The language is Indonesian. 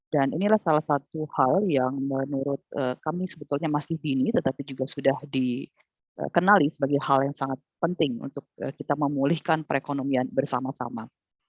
dan inilah salah satu hal yang menurut kami sebetulnya masih dini tetapi juga sudah dikenali sebagai hal yang sangat penting untuk kita memulihkan perekonomian bersama sama